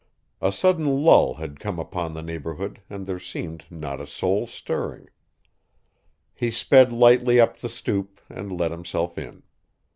A sudden lull had come upon the neighborhood and there seemed not a soul stirring. He sped lightly up the stoop and let himself in.